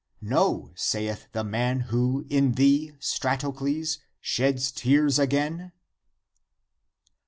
No, saith the man who in thee, Stratocles, sheds tears again."